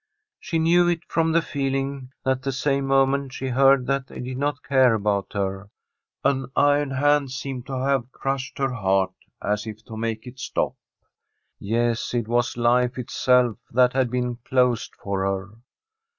She knew it from the feeling that the same mo ment she heard that they did not care about her an iron hand seemed to have crushed her heart as if to make it stop. Yes, it was life itself that had been closed for her.